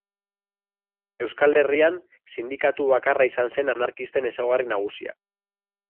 Euskal Herrian, Sindikatu Bakarra izan zen anarkisten ezaugarri nagusia.